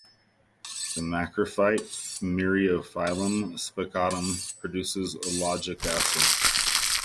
The macrophyte "Myriophyllum spicatum" produces ellagic acid.